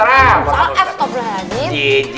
assalamualaikum maaf tombolnya rajin